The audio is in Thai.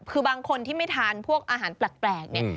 คือบางคนที่ไม่ทานพวกอาหารแปลกเนี่ย